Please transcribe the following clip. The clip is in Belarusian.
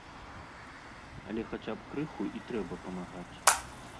Але хаця б крыху і трэба памагаць.